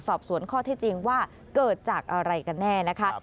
สอบสวนข้อที่จริงว่าเกิดจากอะไรกันแน่นะคะ